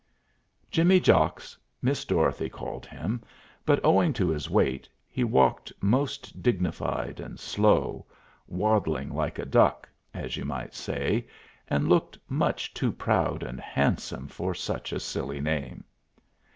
"Jimmy Jocks," Miss Dorothy called him, but, owing to his weight, he walked most dignified and slow, waddling like a duck, as you might say, and looked much too proud and handsome for such a silly name.